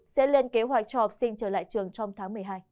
sẽ lên kế hoạch cho học sinh trở lại trường trong tháng một mươi hai